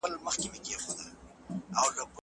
زه پرون لاس پرېولم وم!.